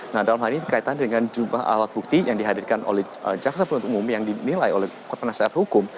nah dalam hal ini berkaitan dengan jumlah alat bukti yang dihadirkan oleh jaksa penuntut umum yang dinilai oleh penasihat hukum